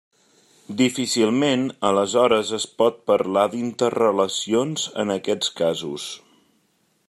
Difícilment aleshores es pot parlar d'interrelacions en aquests casos.